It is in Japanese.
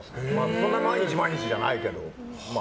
そんな毎日じゃないけど。